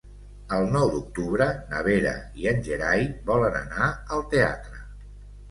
El nou d'octubre na Vera i en Gerai volen anar al teatre.